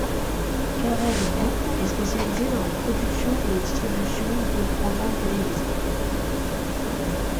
Carrere Group est spécialisé dans la production et la distribution de programmes télévisés.